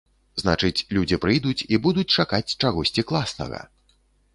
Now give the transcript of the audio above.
Значыць, людзі прыйдуць і будуць чакаць чагосьці класнага.